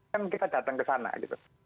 kan kita datang ke sana gitu